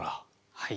はい。